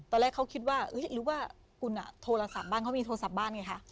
ตอนแรกเขาคิดว่าหรือว่าคุณโทรศัพท์บ้านเขามีโทรศัพท์บ้านไงคะ